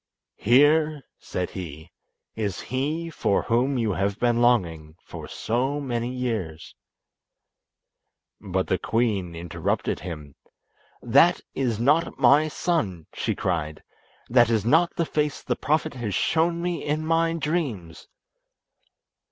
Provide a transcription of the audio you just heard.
"Here," said he, "is he for whom you have been longing so many years." But the queen interrupted him, "That is not my son!" she cried. "That is not the face the Prophet has shown me in my dreams!"